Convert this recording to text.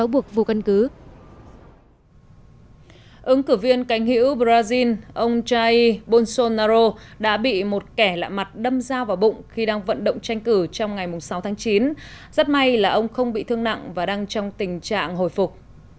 bolsonaro đã bị một kẻ lạ mặt đâm dao vào bụng khi đang vận động tranh cử trong ngày sáu tháng chín rất may là ông không bị thương nặng và đang trong tình trạng hồi phục